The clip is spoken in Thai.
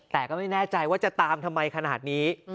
แต่ก็ไม่แน่ใจว่าจะตามทำไมขนาดนี้